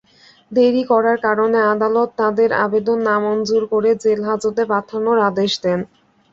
দেরি করার কারণে আদালত তাঁদের আবেদন নামঞ্জুর করে জেলহাজতে পাঠানোর আদেশ দেন।